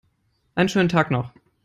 Einen schönen Tag noch!